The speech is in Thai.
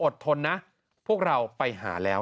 ทนนะพวกเราไปหาแล้ว